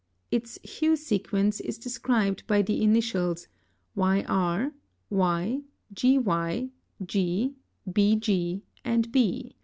Its hue sequence is described by the initials YR, Y, GY, G, BG, and B.